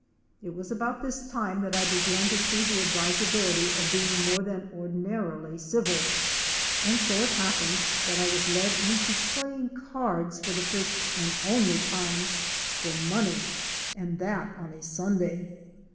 It was about this time that I began to see the advisability of being more than ordinarily civil; and so it happened eae was led into playing cards for the first and only time for money and that on a Sunday!